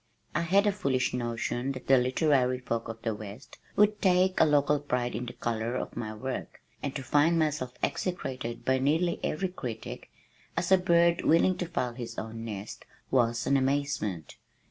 I had a foolish notion that the literary folk of the west would take a local pride in the color of my work, and to find myself execrated by nearly every critic as "a bird willing to foul his own nest" was an amazement.